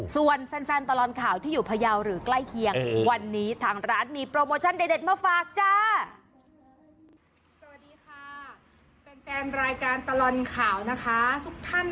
ส่วนแฟนตลอดข่าวที่อยู่พยาวหรือใกล้เคียงวันนี้ทางร้านมีโปรโมชั่นเด็ดมาฝากจ้า